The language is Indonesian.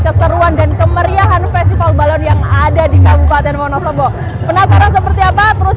keseruan dan kemeriahan festival balon yang ada di kabupaten wonosobo penasaran seperti apa terus